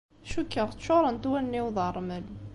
Cukkeɣ ččuṛent wallen-iw d ṛṛmel.